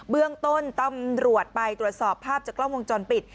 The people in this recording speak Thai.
เบื้องต้นตำรวจไปตรวจสอบภาพจากกล้องวงจรปิด